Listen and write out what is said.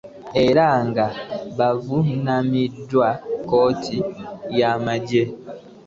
Era nga bavunaanibwa kkooti y'amagye.